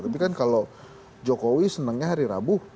tapi kan kalau jokowi senangnya hari rabu